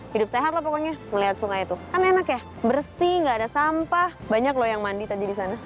hidup sehat lah pokoknya melihat sungai itu kan enak ya bersih nggak ada sampah banyak loh yang mandi tadi di sana